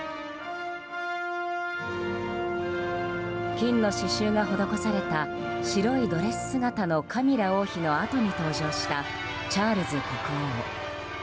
金の刺しゅうが施された白いドレス姿のカミラ王妃のあとに登場したチャールズ国王。